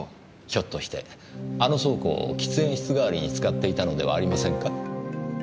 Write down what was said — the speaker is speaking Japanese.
ひょっとしてあの倉庫を喫煙室代わりに使っていたのではありませんか？